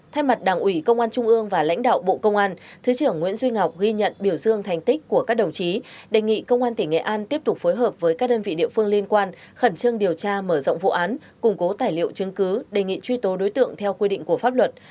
thay mặt đảng ủy công an trung ương và lãnh đạo bộ công an thứ trưởng nguyễn duy ngọc ghi nhận biểu dương thành tích của các đồng chí đề nghị công an tỉnh nghệ an tiếp tục phối hợp với các đơn vị địa phương liên quan khẩn trương điều tra mở rộng vụ án củng cố tài liệu chứng cứ đề nghị truy tố đối tượng theo quy định của pháp luật